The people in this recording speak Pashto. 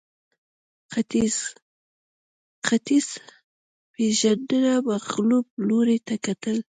ختیځپېژندنه مغلوب لوري ته کتل